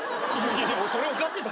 いやいやそれおかしい。